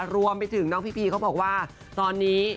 รวมไปถึงน้องพีพีเขาบอกว่าตอนนี้